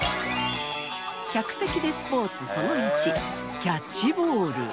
客席でスポーツその１キャッチボール。